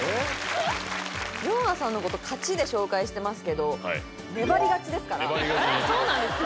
ヨンアさんのこと勝ちで紹介してますけど粘り勝ちですからあれそうなんですか？